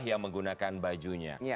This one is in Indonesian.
yang menggunakan bajunya